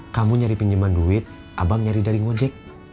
kamu nyari pinjaman duit abang nyari dari ngojek